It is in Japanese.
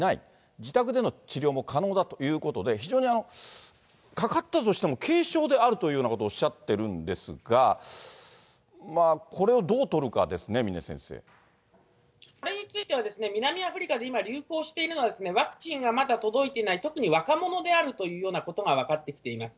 自宅での治療も可能だということで、非常にかかったとしても、軽症であるというようなことをおっしゃってるんですが、ここれについては南アフリカで今、流行しているのは、ワクチンがまだ届いていない、特に若者であるというようなことが分かってきています。